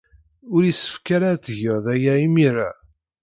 Ur yessefk ara ad tged aya imir-a.